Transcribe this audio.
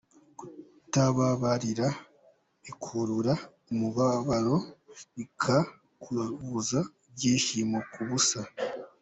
Kutababarira bikurura umubabaro bikakubuza ibyishimo ku busa.